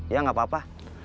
ya gak apa apa